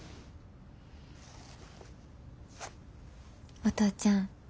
お父ちゃん